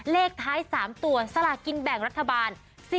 เลขท้าย๓ตัวสลากินแบ่งรัฐบาล